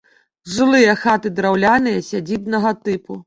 Жылыя хаты драўляныя, сядзібнага тыпу.